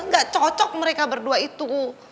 gak cocok mereka berdua itu